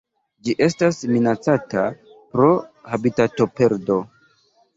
Ĝi estas minacata pro habitatoperdo.